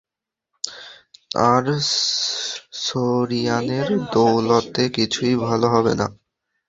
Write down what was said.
আর সোরিয়ানের দৌলতে, কিছুই ভালো হবে না।